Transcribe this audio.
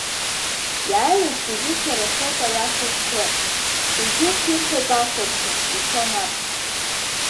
Иааилак зегьы сара соуп аиаша зҳәо, егьырҭ ирҳәо башоуп ҳәа ицон Аԥс.